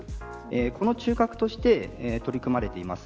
この中核として取り組まれています。